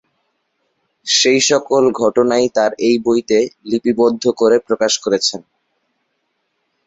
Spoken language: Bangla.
সেই সকল ঘটনাই তার এই বইতে লিপিবদ্ধ করে প্রকাশ করেছেন।